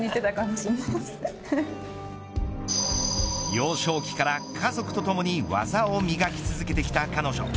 幼少期から家族とともに技を磨き続けてきた彼女。